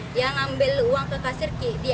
dia ngambil uang ke kasirki